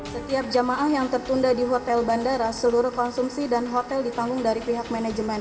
setiap jemaah yang tertunda di hotel bandara seluruh konsumsi dan hotel ditanggung dari pihak manajemen